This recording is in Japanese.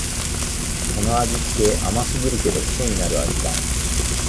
この味つけ、甘すぎるけどくせになる味だ